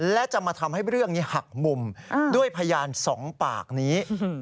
และจะมาทำให้เรื่องนี้หักมุมด้วยพยาน๒ปากนี้